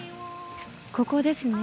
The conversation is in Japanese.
ここですね。